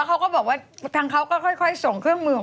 ฉันแรง